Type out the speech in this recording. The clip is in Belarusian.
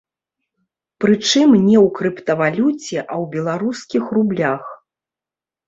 Прычым, не ў крыптавалюце, а ў беларускіх рублях.